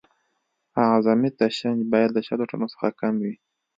اعظمي تشنج باید له شلو ټنو څخه کم وي